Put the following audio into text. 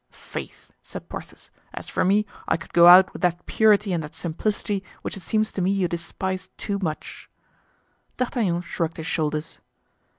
"Faith!" said Porthos, "as for me, I could go out with that purity and that simplicity which it seems to me you despise too much." D'Artagnan shrugged his shoulders.